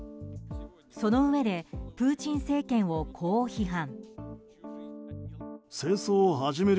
そのうえでプーチン政権をこう批判。